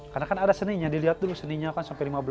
karena kan ada seninya dilihat dulu seninya kan sampai lima belas